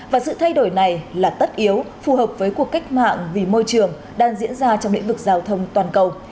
và sự thay đổi này là tất yếu phù hợp với cuộc cách mạng vì môi trường đang diễn ra trong lĩnh vực giao thông toàn cầu